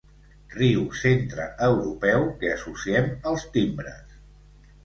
Riu centreeuropeu que associem als timbres.